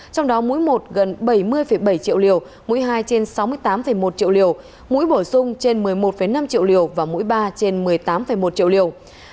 trong đó mũi một gần bảy mươi bảy triệu liều mũi hai trên sáu mươi tám một triệu liều mũi bổ sung trên một mươi một năm triệu liều và mũi ba trên một mươi tám một triệu liều